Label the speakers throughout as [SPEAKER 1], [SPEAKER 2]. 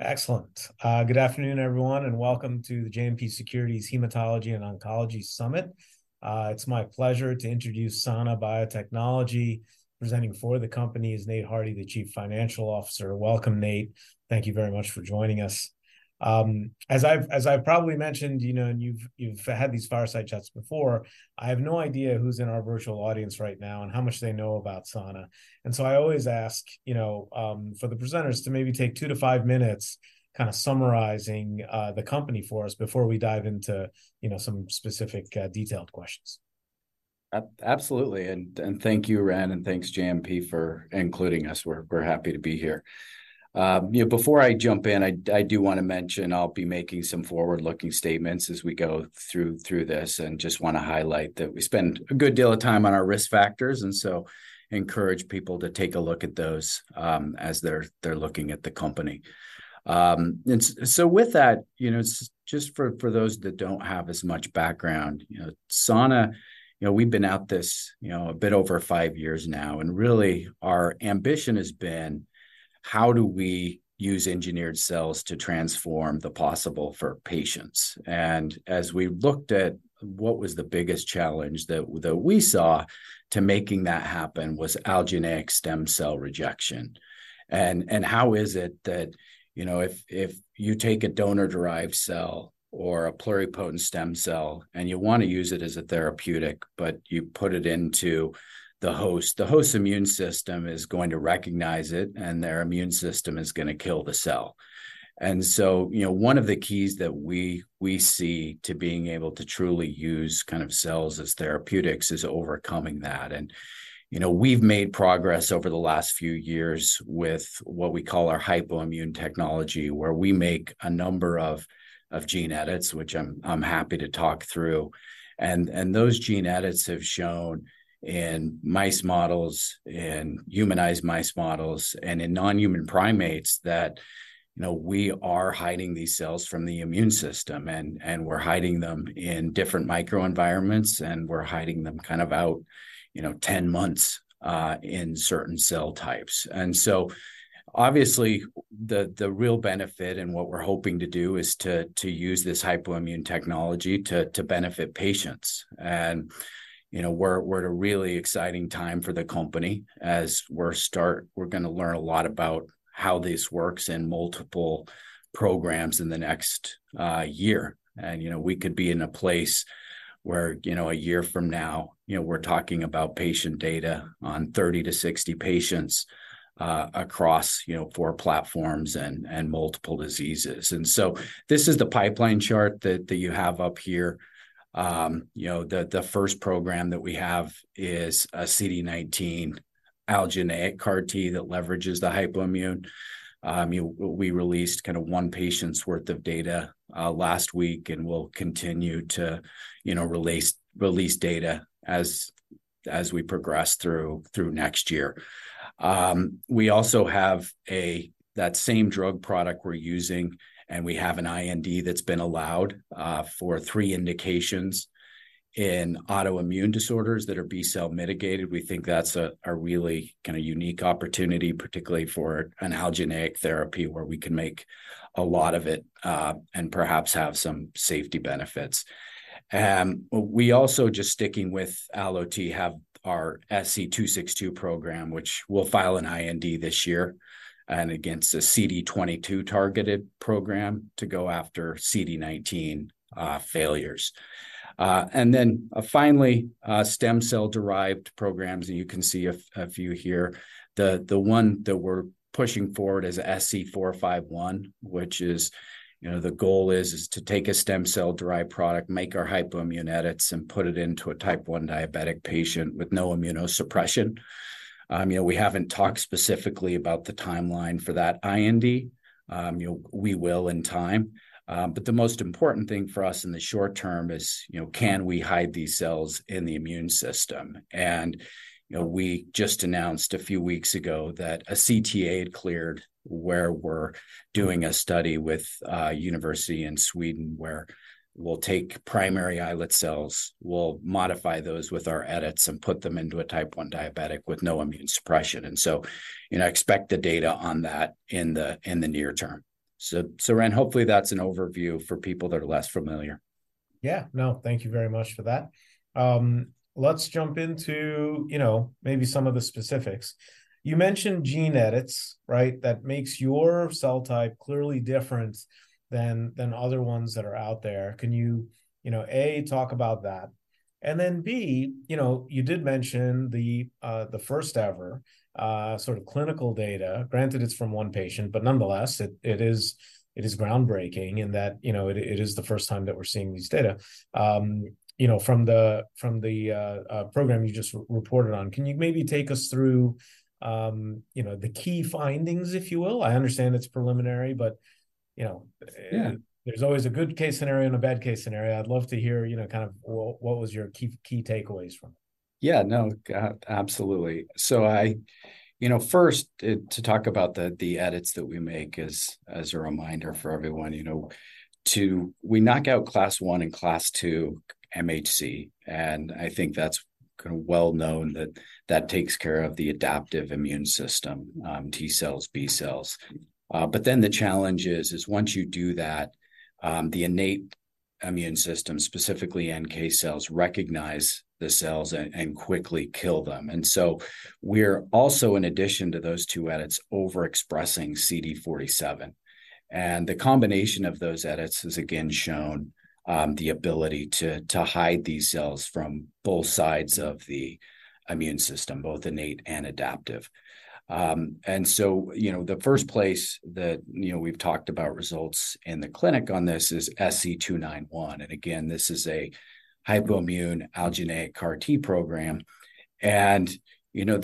[SPEAKER 1] Excellent. Good afternoon, everyone, and welcome to the JMP Securities Hematology and Oncology Summit. It's my pleasure to introduce Sana Biotechnology. Presenting for the company is Nate Hardy, the Chief Financial Officer. Welcome, Nate. Thank you very much for joining us. as I've, as I've probably mentioned, you know, and you've, you've had these fireside chats before, I have no idea who's in our virtual audience right now and how much they know about Sana. And so I always ask, you know, for the presenters to maybe take 2-5 minutes kind of summarizing the company for us before we dive into, you know, some specific, detailed questions.
[SPEAKER 2] Absolutely. And thank you, Ran, and thanks, JMP, for including us. We're happy to be here. You know, before I jump in, I do want to mention I'll be making some forward-looking statements as we go through this, and just want to highlight that we spend a good deal of time on our risk factors, and so encourage people to take a look at those as they're looking at the company. And so with that, you know, just for those that don't have as much background, you know, Sana, you know, we've been at this a bit over five years now, and really, our ambition has been: how do we use engineered cells to transform the possible for patients? And as we looked at what was the biggest challenge that we saw to making that happen was allogeneic stem cell rejection. And how is it that, you know, if you take a donor-derived cell or a pluripotent stem cell, and you want to use it as a therapeutic, but you put it into the host, the host's immune system is going to recognize it, and their immune system is going to kill the cell. And so, you know, one of the keys that we see to being able to truly use kind of cells as therapeutics is overcoming that. And, you know, we've made progress over the last few years with what we call our hypoimmune technology, where we make a number of gene edits, which I'm happy to talk through. And those gene edits have shown in mice models, in humanized mice models, and in non-human primates that, you know, we are hiding these cells from the immune system, and we're hiding them in different microenvironments, and we're hiding them kind of out, you know, ten months in certain cell types. And so obviously, the real benefit and what we're hoping to do is to use this hypoimmune technology to benefit patients. And, you know, we're at a really exciting time for the company. as we're going to learn a lot about how this works in multiple programs in the next year. And, you know, we could be in a place where, you know, a year from now, you know, we're talking about patient data on 30-60 patients across, you know, four platforms and multiple diseases. This is the pipeline chart that you have up here. You know, the first program that we have is a CD19 allogeneic CAR-T that leverages the hypoimmune. You know, we released kind of one patient's worth of data last week, and we'll continue to, you know, release data as we progress through next year. We also have that same drug product we're using, and we have an IND that's been allowed for three indications in autoimmune disorders that are B-cell mediated. We think that's a really kind of unique opportunity, particularly for an allogeneic therapy, where we can make a lot of it and perhaps have some safety benefits. We also, just sticking with Allo T, have our SC262 program, which we'll file an IND this year, and against a CD22-targeted program to go after CD19 failures. And then finally, stem cell-derived programs, and you can see a few here. The one that we're pushing forward is SC451, which is, you know, the goal is to take a stem cell-derived product, make our hypoimmune edits, and put it into a type one diabetic patient with no immunosuppression. You know, we haven't talked specifically about the timeline for that IND. You know, we will in time. But the most important thing for us in the short term is, you know, can we hide these cells in the immune system? You know, we just announced a few weeks ago that a CTA had cleared where we're doing a study with a university in Sweden, where we'll take primary islet cells, we'll modify those with our edits, and put them into a type one diabetic with no immune suppression. So, you know, expect the data on that in the, in the near term. So Ran, hopefully, that's an overview for people that are less familiar.
[SPEAKER 1] Yeah. No, thank you very much for that. Let's jump into, you know, maybe some of the specifics. You mentioned gene edits, right? That makes your cell type clearly different than other ones that are out there. Can you, you know, A, talk about that, and then, B, you know, you did mention the, the first ever, sort of clinical data. Granted, it's from one patient, but nonetheless, it is groundbreaking in that, you know, it is the first time that we're seeing these data. You know, from the program you just reported on, can you maybe take us through, you know, the key findings, if you will? I understand it's preliminary, but, you know-
[SPEAKER 2] Yeah...
[SPEAKER 1] there's always a good case scenario and a bad case scenario. I'd love to hear, you know, kind of what, what was your key, key takeaways from it?
[SPEAKER 2] Yeah. No, absolutely. So, you know, first, to talk about the edits that we make as a reminder for everyone, you know, we knock out Class I and Class II MHC, and I think that's kind of well-known that that takes care of the adaptive immune system, T cells, B cells. But then the challenge is once you do that, the innate immune system, specifically NK cells, recognize the cells and quickly kill them. And so we're also, in addition to those two edits, overexpressing CD47, and the combination of those edits has again shown the ability to hide these cells from both sides of the immune system, both innate and adaptive. And so, you know, the first place that, you know, we've talked about results in the clinic on this is SC291. And again, this is a hypoimmune allogeneic CAR T program. And, you know,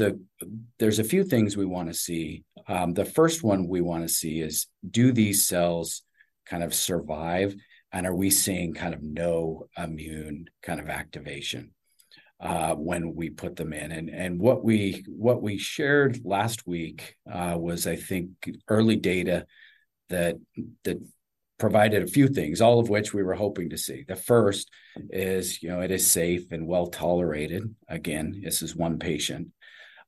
[SPEAKER 2] there's a few things we want to see. The first one we want to see is, do these cells kind of survive, and are we seeing kind of no immune kind of activation, when we put them in? And what we, what we shared last week, was, I think, early data that, that provided a few things, all of which we were hoping to see. The first is, you know, it is safe and well-tolerated. Again, this is one patient.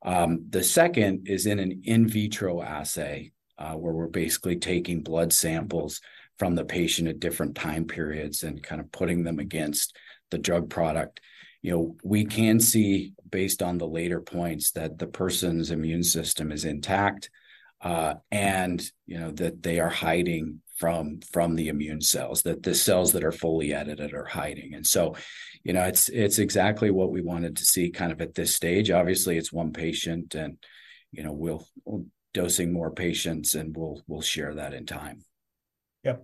[SPEAKER 2] The second is in an in vitro assay, where we're basically taking blood samples from the patient at different time periods and kind of putting them against the drug product. You know, we can see, based on the later points, that the person's immune system is intact, and, you know, that they are hiding from the immune cells, that the cells that are fully edited are hiding. And so, you know, it's exactly what we wanted to see kind of at this stage. Obviously, it's one patient, and, you know, we'll dosing more patients, and we'll share that in time.
[SPEAKER 1] Yep.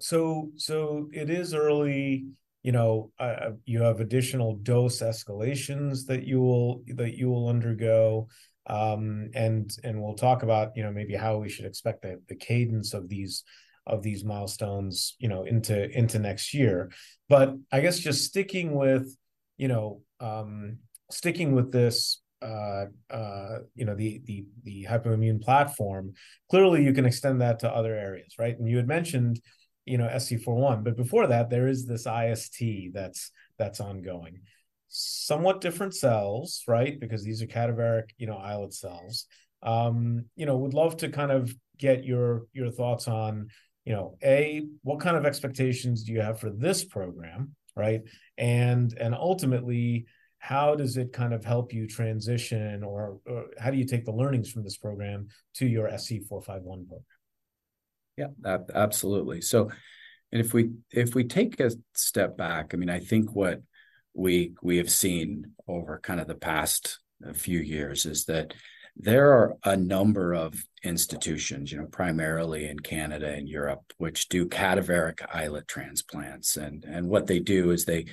[SPEAKER 1] So, it is early. You know, you have additional dose escalations that you will undergo. And we'll talk about, you know, maybe how we should expect the cadence of these milestones, you know, into next year. But I guess just sticking with, you know, sticking with this, you know, the hypoimmune platform, clearly, you can extend that to other areas, right? And you had mentioned, you know, SC451, but before that, there is this IST that's ongoing. Somewhat different cells, right? Because these are cadaveric, you know, islet cells. You know, would love to kind of get your thoughts on, you know, A, what kind of expectations do you have for this program, right? Ultimately, how does it kind of help you transition, or how do you take the learnings from this program to your SC451 program?
[SPEAKER 2] Yeah, absolutely. So, if we take a step back, I mean, I think what we have seen over kind of the past few years is that there are a number of institutions, you know, primarily in Canada and Europe, which do cadaveric islet transplants. And what they do is they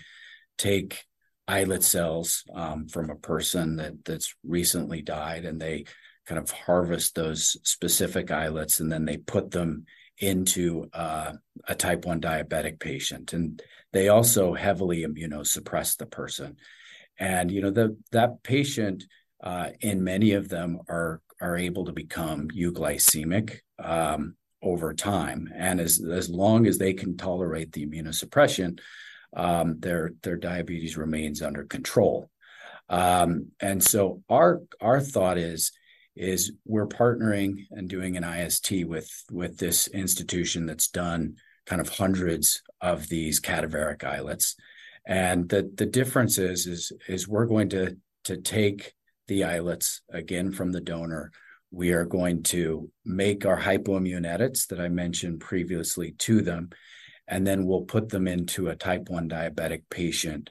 [SPEAKER 2] take islet cells from a person that's recently died, and they kind of harvest those specific islets, and then they put them into a Type one diabetic patient, and they also heavily immunosuppress the person. And, you know, that patient, and many of them are able to become euglycemic over time, and as long as they can tolerate the immunosuppression, their diabetes remains under control. And so our thought is we're partnering and doing an IST with this institution that's done kind of hundreds of these cadaveric islets. And the difference is we're going to take the islets again from the donor. We are going to make our hypoimmune edits that I mentioned previously to them, and then we'll put them into a Type one diabetic patient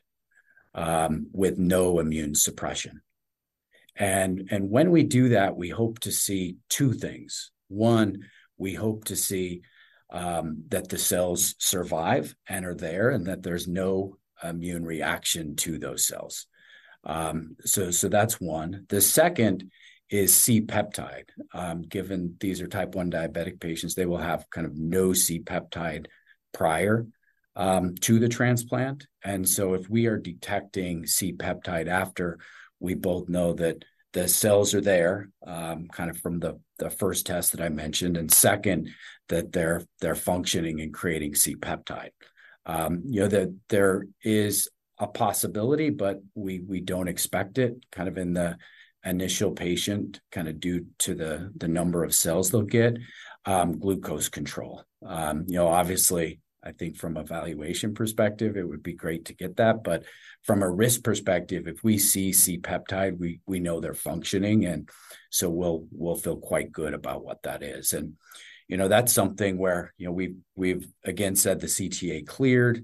[SPEAKER 2] with no immune suppression. And when we do that, we hope to see two things. One, we hope to see that the cells survive and are there, and that there's no immune reaction to those cells. So that's one. The second is C-peptide. Given these are Type one diabetic patients, they will have kind of no C-peptide prior to the transplant, and so if we are detecting C-peptide after, we both know that the cells are there, kind of from the first test that I mentioned, and second, that they're functioning and creating C-peptide. You know, there is a possibility, but we don't expect it, kind of in the initial patient, kind of due to the number of cells they'll get, glucose control. You know, obviously, I think from a valuation perspective, it would be great to get that, but from a risk perspective, if we see C-peptide, we know they're functioning, and so we'll feel quite good about what that is. You know, that's something where, you know, we've again said the CTA cleared.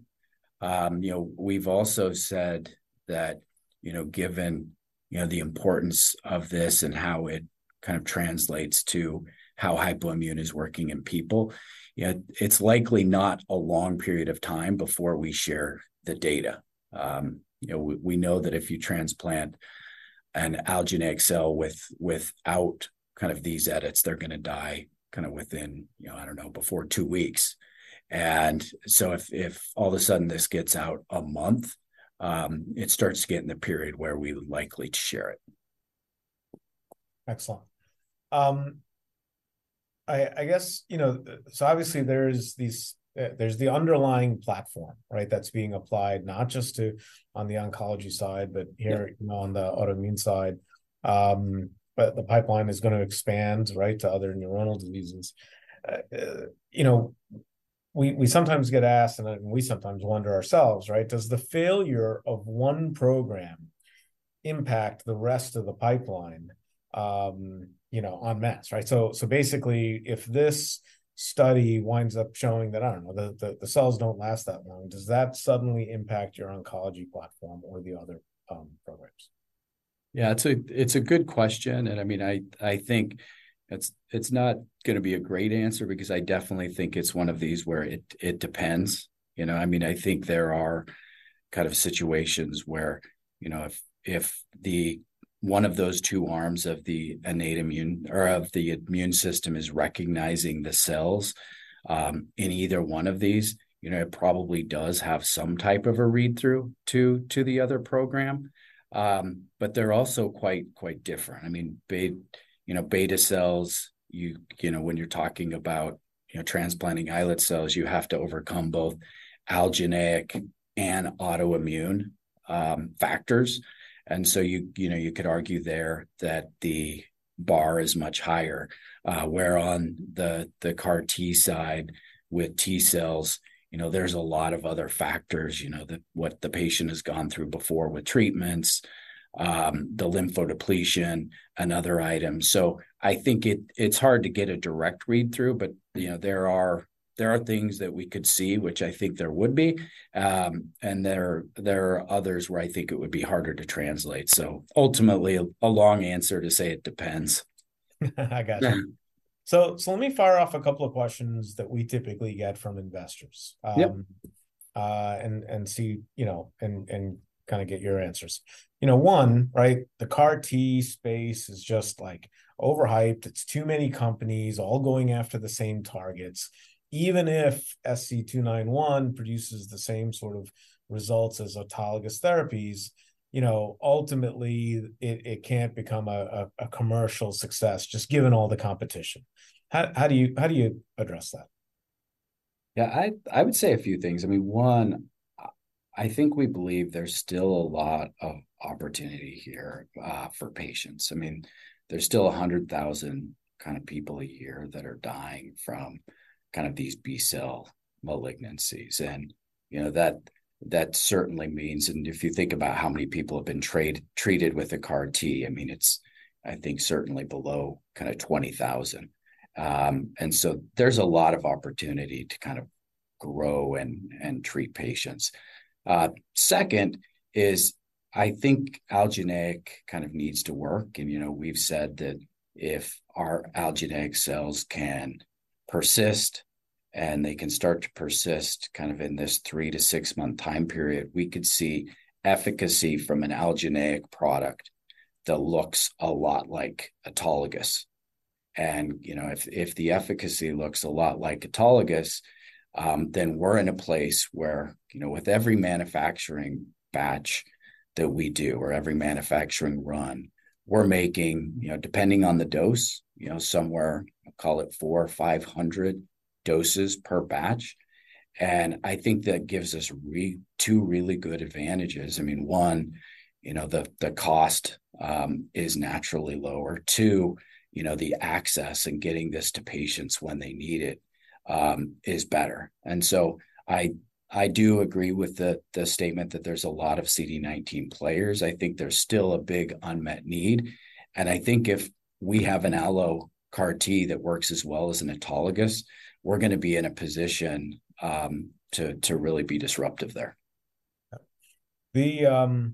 [SPEAKER 2] You know, we've also said that, you know, given, you know, the importance of this and how it kind of translates to how hypoimmune is working in people, you know, it's likely not a long period of time before we share the data. You know, we know that if you transplant an allogeneic cell without kind of these edits, they're going to die kind of within, you know, I don't know, before two weeks. And so if all of a sudden this gets out a month, it starts to get in the period where we would likely to share it....
[SPEAKER 1] Excellent. I guess, you know, so obviously there's the underlying platform, right? That's being applied not just to, on the oncology side, but here-
[SPEAKER 2] Yeah
[SPEAKER 1] -on the autoimmune side. But the pipeline is gonna expand, right, to other neuronal diseases. You know, we sometimes get asked, and then we sometimes wonder ourselves, right, does the failure of one program impact the rest of the pipeline, you know, en masse, right? So basically, if this study winds up showing that, I don't know, the cells don't last that long, does that suddenly impact your oncology platform or the other programs?
[SPEAKER 2] Yeah, it's a good question, and I mean, I think it's not gonna be a great answer because I definitely think it's one of these where it depends, you know? I mean, I think there are kind of situations where, you know, if one of those two arms of the innate immune or of the immune system is recognizing the cells in either one of these, you know, it probably does have some type of a read-through to the other program. But they're also quite different. I mean, you know, beta cells, you know, when you're talking about transplanting islet cells, you have to overcome both allogeneic and autoimmune factors. And so you know, you could argue there that the bar is much higher. Where on the CAR T side with T cells, you know, there's a lot of other factors, you know, the what the patient has gone through before with treatments, the lymphodepletion, and other items. So I think it's hard to get a direct read-through, but, you know, there are things that we could see, which I think there would be. And there are others where I think it would be harder to translate. So ultimately, a long answer to say it depends.
[SPEAKER 1] I got you.
[SPEAKER 2] Yeah.
[SPEAKER 1] So, let me fire off a couple of questions that we typically get from investors-
[SPEAKER 2] Yep...
[SPEAKER 1] and see, you know, and kind of get your answers. You know, one, right, the CAR T space is just, like, overhyped. It's too many companies all going after the same targets. Even if SC291 produces the same sort of results as autologous therapies, you know, ultimately, it can't become a commercial success, just given all the competition. How do you address that?
[SPEAKER 2] Yeah, I would say a few things. I mean, one, I think we believe there's still a lot of opportunity here for patients. I mean, there's still 100,000 kind of people a year that are dying from kind of these B-cell malignancies, and, you know, that certainly means... If you think about how many people have been treated with a CAR T, I mean, it's, I think, certainly below kind of 20,000. And so there's a lot of opportunity to kind of grow and treat patients. Second is, I think allogeneic kind of needs to work, and, you know, we've said that if our allogeneic cells can persist, and they can start to persist kind of in this 3- to 6-month time period, we could see efficacy from an allogeneic product that looks a lot like autologous. You know, if the efficacy looks a lot like autologous, then we're in a place where, you know, with every manufacturing batch that we do, or every manufacturing run, we're making, you know, depending on the dose, you know, somewhere, call it 400 or 500 doses per batch. And I think that gives us two really good advantages. I mean, one, you know, the cost is naturally lower. Two, you know, the access in getting this to patients when they need it is better. And so I do agree with the statement that there's a lot of CD19 players. I think there's still a big unmet need, and I think if we have an allo CAR T that works as well as an autologous, we're gonna be in a position to really be disruptive there.
[SPEAKER 1] Yeah. The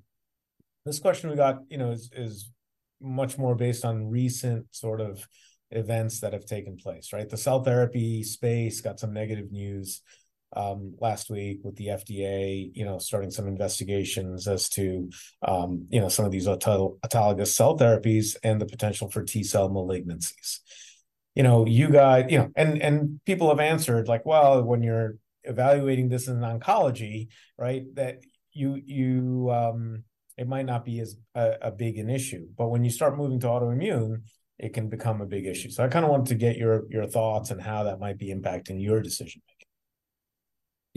[SPEAKER 1] this question we got, you know, is much more based on recent sort of events that have taken place, right? The cell therapy space got some negative news last week with the FDA, you know, starting some investigations as to you know, some of these autologous cell therapies and the potential for T-cell malignancies. You know, you know, and people have answered, like, "Well, when you're evaluating this in oncology, right, that you it might not be as a big an issue, but when you start moving to autoimmune, it can become a big issue." So I kind of wanted to get your thoughts on how that might be impacting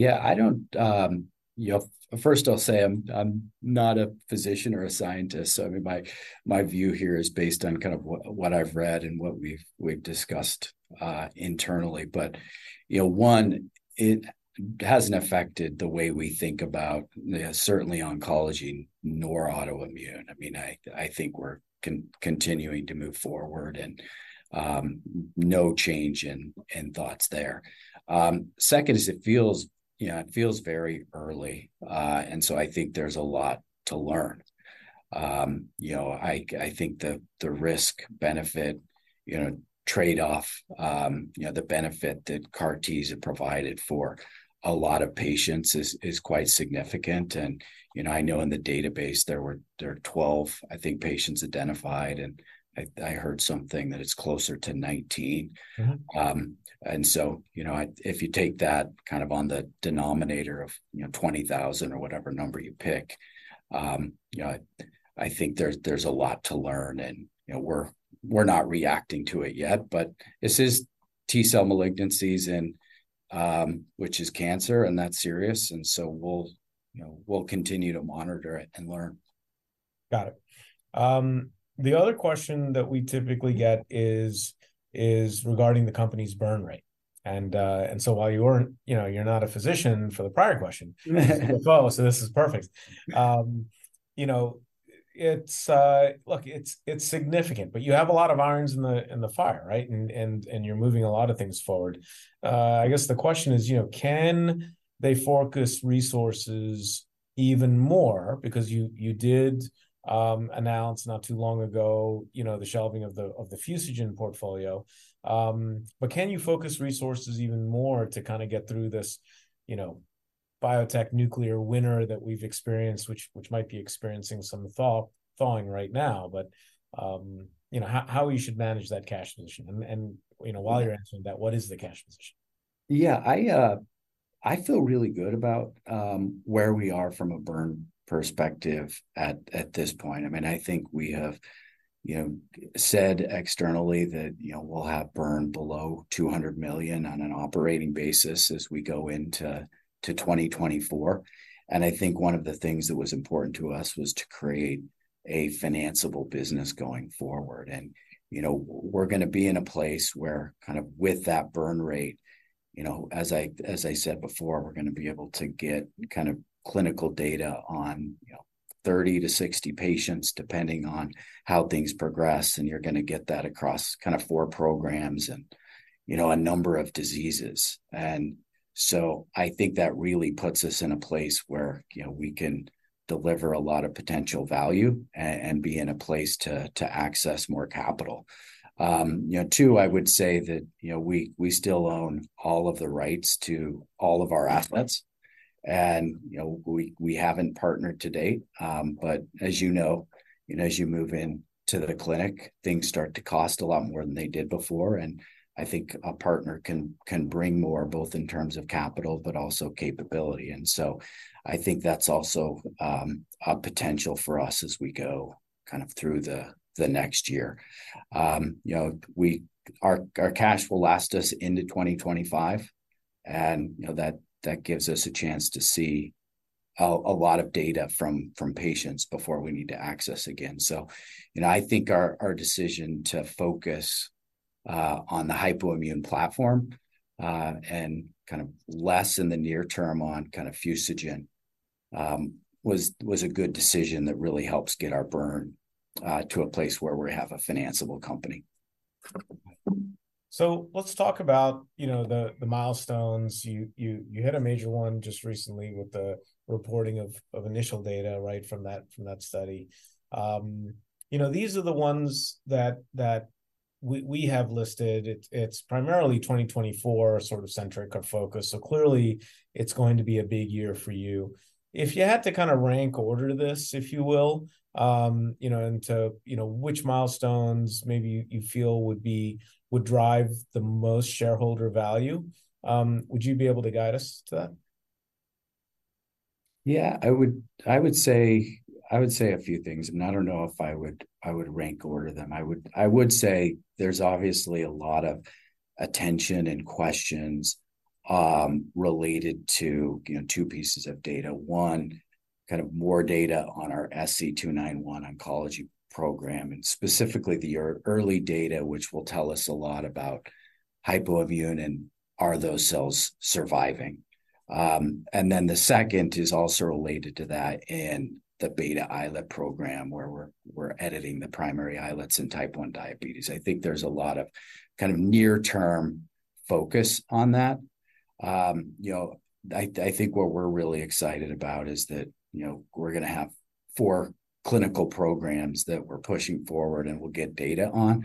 [SPEAKER 1] your decision-making.
[SPEAKER 2] Yeah, I don't... You know, first I'll say I'm not a physician or a scientist, so I mean, my view here is based on kind of what I've read and what we've discussed internally. But, you know, one, it hasn't affected the way we think about the certainly oncology nor autoimmune. I mean, I think we're continuing to move forward and, no change in thoughts there. You know, I think the risk-benefit, you know, trade-off, the benefit that CAR Ts have provided for a lot of patients is quite significant. You know, I know in the database there were 12, I think, patients identified, and I heard something that it's closer to 19.
[SPEAKER 1] Mm-hmm.
[SPEAKER 2] And so, you know, if you take that kind of on the denominator of, you know, 20,000 or whatever number you pick, I think there's a lot to learn, and, you know, we're not reacting to it yet, but this is T-cell malignancies, and, which is cancer, and that's serious, and so we'll, you know, we'll continue to monitor it and learn.
[SPEAKER 1] Got it. The other question that we typically get is, is regarding the company's burn rate. And, and so while you weren't, you know, you're not a physician for the prior question.
[SPEAKER 2] Mm.
[SPEAKER 1] You're a CFO, so this is perfect. You know, it's, look, it's, it's significant, but you have a lot of irons in the fire, right? And you're moving a lot of things forward. I guess the question is, you know, can they focus resources even more? Because you, you did announce not too long ago, you know, the shelving of the Fusogen portfolio. But can you focus resources even more to kind of get through this, you know, biotech nuclear winter that we've experienced, which, which might be experiencing some thawing right now, but, you know, how, how you should manage that cash position? And you know, while you're answering that, what is the cash position?
[SPEAKER 2] Yeah. I feel really good about where we are from a burn perspective at this point. I mean, I think we have, you know, said externally that, you know, we'll have burn below $200 million on an operating basis as we go into 2024. And I think one of the things that was important to us was to create a financeable business going forward. And, you know, we're going to be in a place where kind of with that burn rate, you know, as I said before, we're going to be able to get kind of clinical data on, you know, 30-60 patients, depending on how things progress, and you're going to get that across kind of four programs and, you know, a number of diseases. And so I think that really puts us in a place where, you know, we can deliver a lot of potential value and be in a place to access more capital. You know, too, I would say that, you know, we still own all of the rights to all of our assets, and, you know, we haven't partnered to date. But as you know, as you move into the clinic, things start to cost a lot more than they did before, and I think a partner can bring more, both in terms of capital, but also capability. And so I think that's also a potential for us as we go kind of through the next year. You know, our cash will last us into 2025, and, you know, that gives us a chance to see a lot of data from patients before we need to access again. So, you know, I think our decision to focus on the hypoimmune platform and kind of less in the near term on kind of Fusogen was a good decision that really helps get our burn to a place where we have a financeable company.
[SPEAKER 1] So let's talk about, you know, the milestones. You hit a major one just recently with the reporting of initial data, right, from that study. You know, these are the ones that we have listed. It's primarily 2024 sort of centric of focus, so clearly it's going to be a big year for you. If you had to kind of rank order this, if you will, you know, into which milestones maybe you feel would drive the most shareholder value, would you be able to guide us to that?
[SPEAKER 2] Yeah. I would say a few things, and I don't know if I would rank order them. I would say there's obviously a lot of attention and questions related to, you know, two pieces of data. One, kind of more data on our SC291 oncology program, and specifically the early data, which will tell us a lot about hypoimmune and are those cells surviving? And then the second is also related to that in the beta islet program, where we're editing the primary islets in type one diabetes. I think there's a lot of kind of near-term focus on that. You know, I think what we're really excited about is that, you know, we're going to have four clinical programs that we're pushing forward and we'll get data on.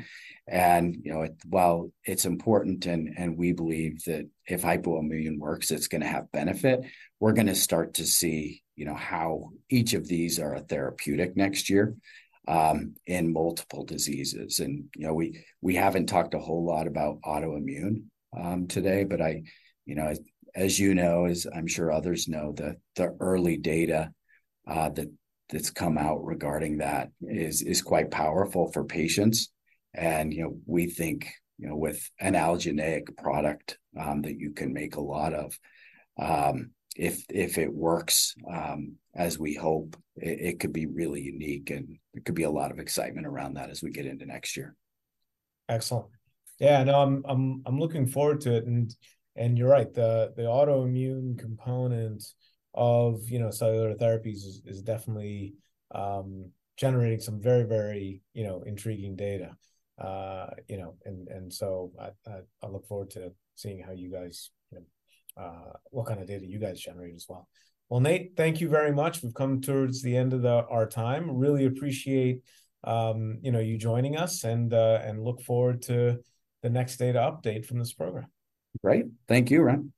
[SPEAKER 2] You know, while it's important and we believe that if hypoimmune works, it's going to have benefit, we're going to start to see, you know, how each of these are a therapeutic next year in multiple diseases. And, you know, we haven't talked a whole lot about autoimmune today, but you know, as you know, as I'm sure others know, the early data that that's come out regarding that is quite powerful for patients. And, you know, we think, you know, with an allogeneic product that you can make a lot of, if it works as we hope, it could be really unique, and there could be a lot of excitement around that as we get into next year.
[SPEAKER 1] Excellent. Yeah, no, I'm looking forward to it, and you're right, the autoimmune component of, you know, cellular therapies is definitely generating some very, very, you know, intriguing data. You know, and so I look forward to seeing how you guys what kind of data you guys generate as well. Well, Nate, thank you very much. We've come towards the end of our time. Really appreciate, you know, you joining us, and look forward to the next data update from this program.
[SPEAKER 2] Great. Thank you, Ran.